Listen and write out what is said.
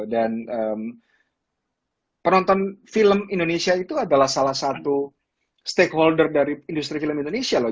dan penonton film indonesia itu adalah salah satu stakeholder dari industri film indonesia loh